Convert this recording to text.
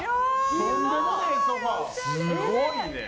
すごいね。